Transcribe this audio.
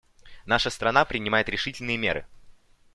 Наша страна принимает решительные меры.